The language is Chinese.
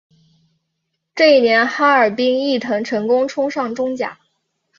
这一年哈尔滨毅腾成功冲上中甲。